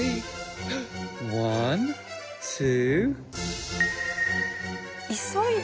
ワンツー。